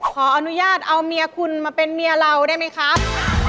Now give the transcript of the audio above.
ขออนุญาตเอาเมียคุณมาเป็นเมียเราได้ไหมครับ